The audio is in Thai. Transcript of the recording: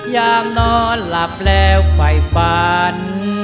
ยามนอนหลับแล้วไฟฝัน